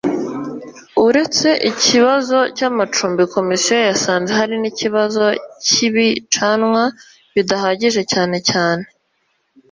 uretse ikibazo cy amacumbi komisiyo yasanze hari n ikibazo cy ibicanwa bidahagije cyane cyane